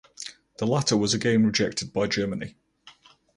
The latter was again rejected by Germany.